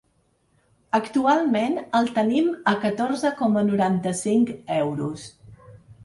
Actualment el tenim a catorze coma noranta-cinc euros.